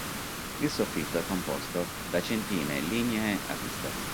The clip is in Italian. Il soffitto è composto da centine lignee a vista.